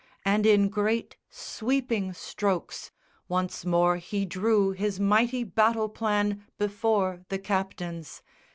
And in great sweeping strokes Once more he drew his mighty battle plan Before the captains.